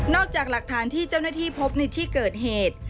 จากหลักฐานที่เจ้าหน้าที่พบในที่เกิดเหตุ